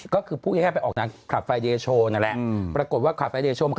ก็คือพูดยังไงออกกรรมคลับไฟเดชโชว์นั่นแหละ